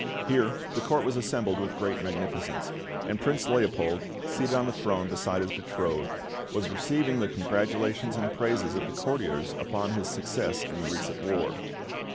Here the Court was assembled with great magnificence, and Prince Leopold, seated on a throne beside his betrothed, was receiving the congratulations and praises of the courtiers upon his success in the recent war.